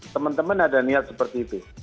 teman teman ada niat seperti itu